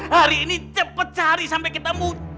hari ini cepat cari sampai ketemu